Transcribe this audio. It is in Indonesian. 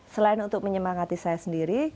selain untuk menyemangati saya sendiri